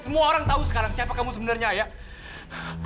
semua orang tahu sekarang siapa kamu sebenarnya ya